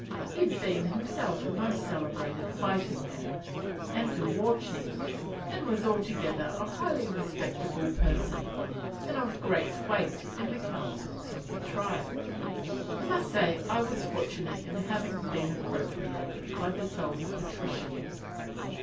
He had been himself a most celebrated fighting man, and a war chief; and was altogether a highly respectable person, and of great weight in the councils of the tribe. I may say I was fortunate in having been appropriated by this old patrician.